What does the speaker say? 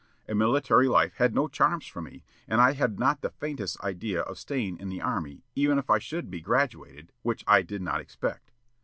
A military life had no charms for me, and I had not the faintest idea of staying in the army even if I should be graduated, which I did not expect.